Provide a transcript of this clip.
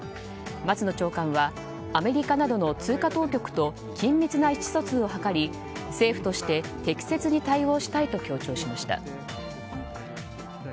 松野長官はアメリカなどの通貨当局と緊密な意思疎通を図り政府として適切に対応したいと強調しました。